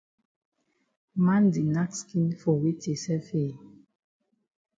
Man di nack skin for weti sef eh?